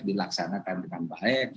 dilaksanakan dengan baik